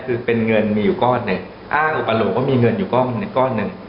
คือเป็นเงินมีอยู่ก้อนหนึ่งอ้างอุปโลกว่ามีเงินอยู่ก้อนหนึ่งก้อนหนึ่ง